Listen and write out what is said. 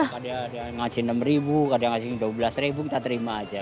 kadang kadang ngasih enam ribu kadang kadang ngasih dua belas ribu kita terima aja